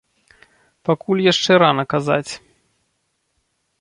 Пакуль яшчэ рана казаць.